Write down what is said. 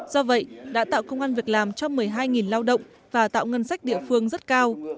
do vậy đã tạo công an việc làm cho một mươi hai lao động và tạo ngân sách địa phương rất cao